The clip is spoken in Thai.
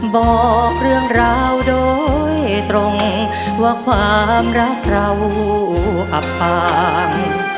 บอกเรื่องราวโดยตรงว่าความรักเราอับปาง